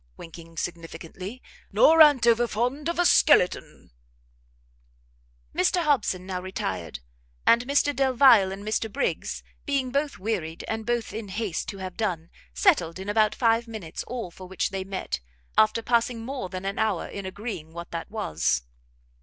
winking significantly, "nor a'n't over fond of a skeleton!" Mr Hobson now retired; and Mr Delvile and Mr Briggs, being both wearied and both in haste to have done, settled in about five minutes all for which they met, after passing more than an hour in agreeing what that was.